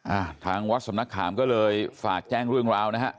อ่าทางวัดสำนักขามก็เลยฝากแจ้งเรื่องราวนะฮะ